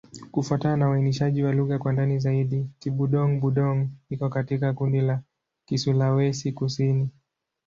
Kufuatana na uainishaji wa lugha kwa ndani zaidi, Kibudong-Budong iko katika kundi la Kisulawesi-Kusini.